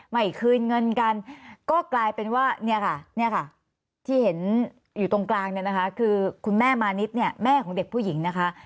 ไม่คืนเงินกันก็กลายเป็นว่าเนี่ยค่ะเนี่ยค่ะที่เห็นอยู่ตรงกลางเนี่ยนะคะคือคุณแม่มานิดเนี่ยแม่ของเด็กผู้หญิงนะคะ